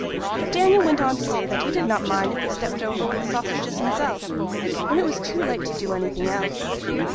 But Daniel went on to say that he did not mind if he stepped over with the sausages himself, when it was too late to do anything else.